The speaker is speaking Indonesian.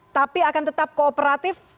tapi akan tetap kooperatif